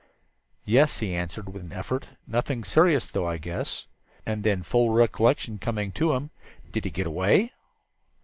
"Yes," he answered with an effort. "Nothing serious, though, I guess." And then, full recollection coming to him, "Did he get away?"